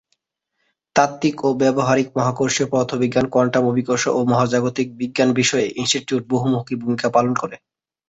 তাত্ত্বিক ও ব্যবহারিক মহাকর্ষীয় পদার্থবিজ্ঞান, কোয়ান্টাম অভিকর্ষ ও মহাজাগতিক বিজ্ঞান বিষয়ে ইনস্টিটিউট বহুমুখী ভূমিকা পালন করে।